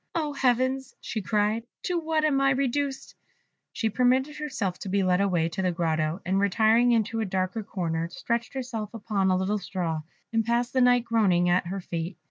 "Oh, Heavens!" she cried, "to what am I reduced?" She permitted herself to be led away to the grotto, and retiring into a dark corner, stretched herself upon a little straw, and passed the night groaning at her fate.